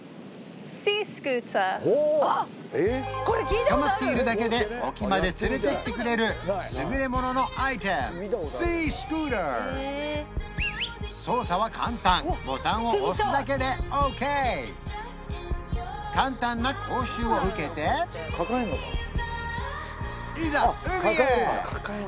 つかまっているだけで沖まで連れていってくれる優れもののアイテムシースクーター操作は簡単ボタンを押すだけでオーケー簡単な講習を受けていざ海へ！